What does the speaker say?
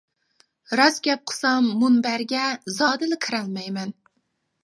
راست گەپ قىلسام مۇنبەرگە، زادىلا كىرەلمەيمەن.